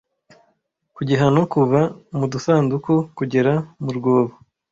ku gihano kuva mu dusanduku kugera mu rwobo